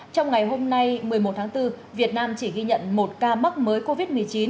trong ngày hôm nay một mươi một tháng bốn việt nam chỉ ghi nhận một ca mắc mới covid một mươi chín